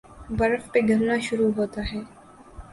برف پگھلنا شروع ہوتا ہے